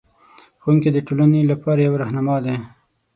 ښوونکی د ټولنې لپاره یو رهنما دی.